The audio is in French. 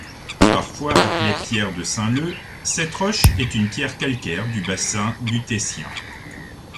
Parfois appelée pierre de Saint-Leu, cette roche est une pierre calcaire du bassin Lutétien.